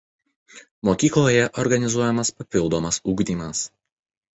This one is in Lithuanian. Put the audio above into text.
Mokykloje organizuojamas papildomas ugdymas.